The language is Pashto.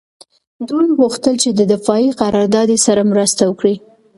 دوی غوښتل چې د دفاعي قراردادي سره مرسته وکړي